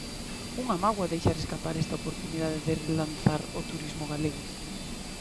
Unha mágoa deixar escapar esta oportunidade de relanzar o turismo galego.